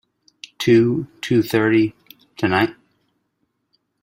Two, two-thirty — tonight.